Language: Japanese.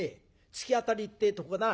突き当たりってえとここだな。